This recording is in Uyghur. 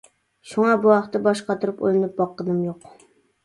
شۇڭا بۇ ھەقتە باش قاتۇرۇپ ئويلىنىپ باققىنىم يوق.